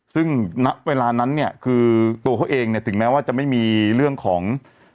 ซึ่งณเวลานั้นเนี่ยคือตัวเขาเองเนี่ยถึงแม้ว่าจะไม่มีเรื่องของ